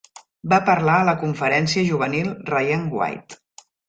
Va parlar a la Conferència Juvenil Ryan White.